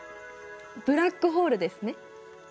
ブラックホールですね。